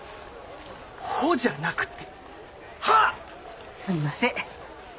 「ほ」じゃなくて「は」！すんません。